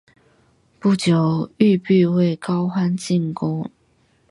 不久玉壁为高欢进攻。